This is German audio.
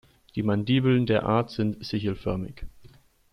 Die Mandibeln der Art sind sichelförmig.